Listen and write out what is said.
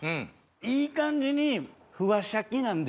いい感じにふわシャキなんですよ。